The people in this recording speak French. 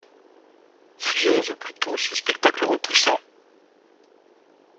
Fuyons au plus tôt ce spectacle repoussant!